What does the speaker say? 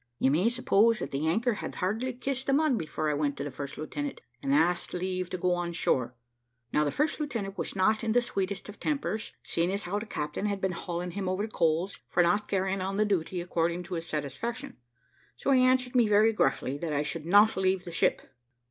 You may suppose that the anchor had hardly kissed the mud before I went to the first lieutenant and asked leave to go on shore. Now the first lieutenant was not in the sweetest of tempers, seeing as how the captain had been hauling him over the coals for not carrying on the duty according to his satisfaction. So he answered me very gruffly, that I should not leave the ship.